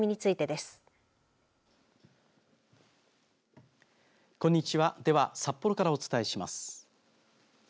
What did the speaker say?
では、札幌からお伝えします。